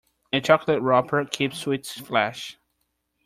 A chocolate wrapper keeps sweets fresh.